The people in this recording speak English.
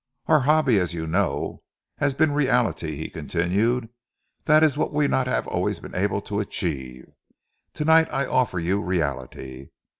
"Our hobby, as you know, has been reality," he continued. "That is what we have not always been able to achieve. Tonight I offer you reality.